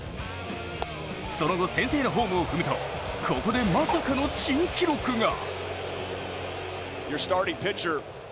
その後、先制ホームを踏むとここでまさかの珍記録が。